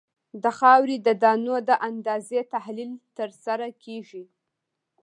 د خاورې د دانو د اندازې تحلیل ترسره کیږي